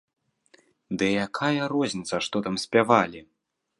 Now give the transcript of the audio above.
Ды і якая розніца, што там спявалі?